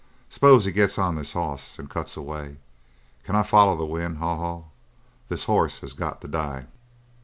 S'pose he gets on this hoss and cuts away? Can I foller the wind, Haw Haw? This hoss has got to die!"